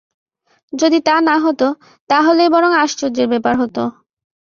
যদি তা না হত, তাহলেই বরং আশ্চর্যের ব্যাপার হত।